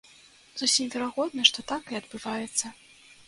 Зусім верагодна, што так і адбываецца.